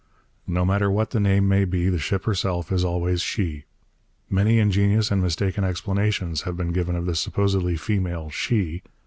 No matter what the name may be, the ship herself is always 'she.' Many ingenious and mistaken explanations have been given of this supposedly female 'she.'